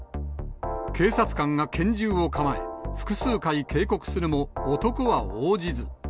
警察官が拳銃を構え、複数回警告するも、男は応じず。